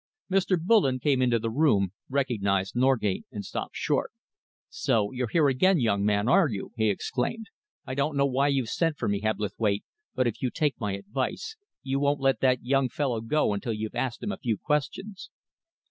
Mr. Bullen came into the room, recognised Norgate, and stopped short. "So you're here again, young man, are you?" he exclaimed. "I don't know why you've sent for me, Hebblethwaite, but if you take my advice, you won't let that young fellow go until you've asked him a few questions."